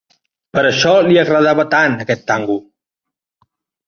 Per això li agradava tant, aquest tango.